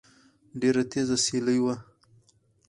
ډېره تېزه سيلۍ وه